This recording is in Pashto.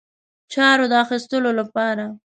چارو د اخیستلو لپاره.